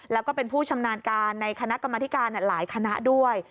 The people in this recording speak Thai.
แล้วก็เป็นผู้ชำนาญการในคณะกรรมธิการหลายคณะด้วย